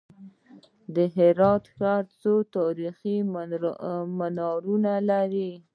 هرات ښار څو تاریخي منارونه لري؟